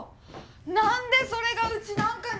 何でそれがうちなんかに？